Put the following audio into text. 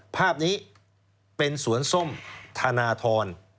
ภาพนี้เป็นสวนส้มธนทร